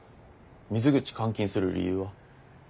水口監禁する理由は？